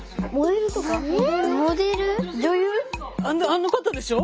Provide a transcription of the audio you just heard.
あの方でしょ？